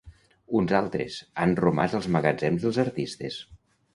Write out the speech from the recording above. Uns altres, han romàs als magatzems dels artistes.